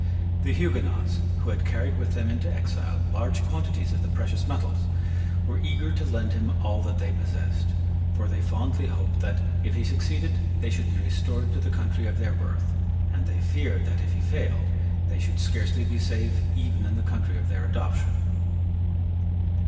The Huguenots, who had carried with them into exile large quantities of the precious metals, were eager to lend him all that they possessed; for they fondly hoped that, if he succeeded, they should be restored to the country of their birth; and they feared that, if he failed, they should scarcely be safe even in the country of their adoption.